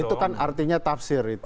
itu kan artinya tafsir itu